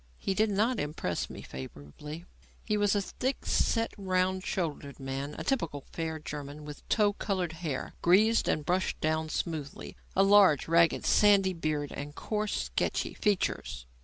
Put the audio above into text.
He did not impress me favourably. He was a thick set, round shouldered man, a typical fair German with tow coloured hair, greased and brushed down smoothly, a large, ragged, sandy beard and coarse, sketchy features.